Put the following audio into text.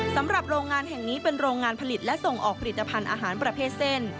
สำหรับโรงงานแห่งนี้เป็นโรงงานผลิตและส่งออกผลิตภัณฑ์อาหารประเภทเส้น